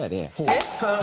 えっ？